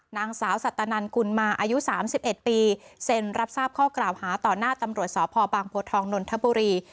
นางสาวสัตตานันกุลมาอายุสามสิบเอ็ดปีเซ็นรับทราบข้อกล่าวหาต่อหน้าตำรวจสอบภอบังโพทองนทบุรี